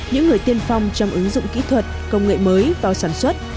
những người tiên phong trong ứng dụng kỹ thuật công nghệ mới vào sản xuất